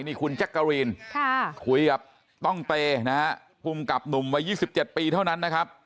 นี่คุณแจ๊กกะรีนคุยกับต้องเตนะฮะภูมิกับหนุ่มวัย๒๗ปีเท่านั้นนะครับ